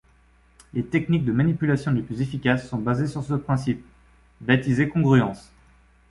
Les techniques de manipulation les plus efficaces sont basées sur ce principe, baptisé congruence.